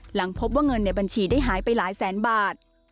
หลังพบว่าเงินในบัญชีได้หายไปหลายแสนบาท